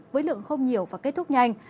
với lượng không nhiều và kết thúc nhanh